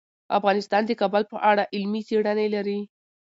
افغانستان د کابل په اړه علمي څېړنې لري.